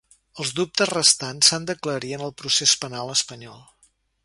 Els dubtes restants s’han d’aclarir en el procés penal espanyol.